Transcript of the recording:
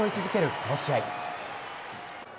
この試合。